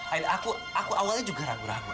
akhirnya aku awalnya juga ragu ragu